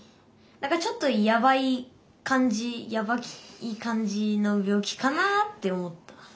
何かちょっとやばい感じやばい感じの病気かなって思った。